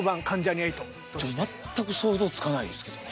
全く想像つかないですけどね。